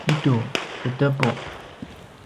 idu tedepu